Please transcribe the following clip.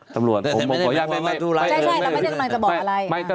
ตำรวจผมขออนุญาตไม่ใช่เราไม่ได้กำลังจะบอกอะไร